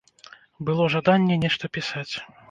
Было жаданне нешта пісаць.